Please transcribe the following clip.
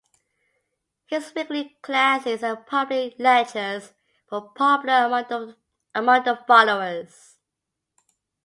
His weekly classes and public lectures were popular among the followers.